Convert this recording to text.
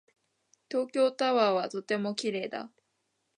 東京タワーはとても綺麗だ。